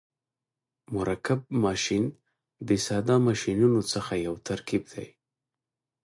مرکب ماشین د ساده ماشینونو څخه یو ترکیب دی.